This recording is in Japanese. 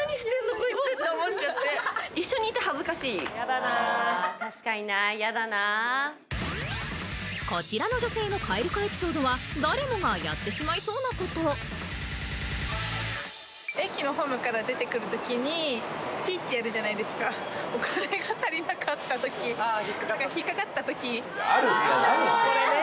こいつって思っちゃって一緒にいて恥ずかしい確かになこちらの女性のカエル化エピソードは誰もがやってしまいそうなことピッてやるじゃないですかお金が足りなかったとき引っかかったときあ